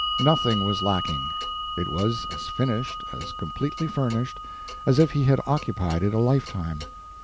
Nothing was lacking it was as finished, as completely furnished, as if he had occupied it a lifetime.